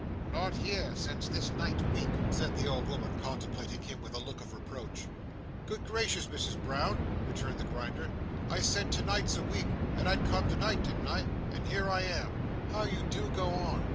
Not here since this night week!" said the old woman, contemplating him with a look of reproach. "Good gracious, Misses Brown," returned the Grinder, "I said tonight's a week, that I'd come tonight, didn't I? And here I am. How you do go on!